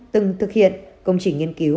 từng thực hiện công trình nghiên cứu